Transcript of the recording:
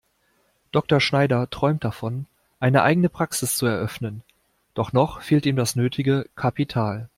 Dr. Schneider träumt davon, eine eigene Praxis zu eröffnen, doch noch fehlt ihm das nötige Kapital.